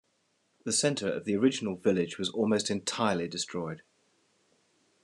The centre of the original village was almost entirely destroyed.